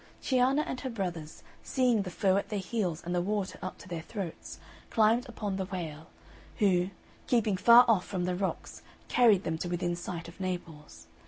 Cianna and her brothers, seeing the foe at their heels and the water up to their throats, climbed upon the whale, who, keeping far off from the rocks, carried them to within sight of Naples.